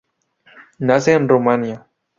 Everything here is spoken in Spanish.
Nace en Rumanía.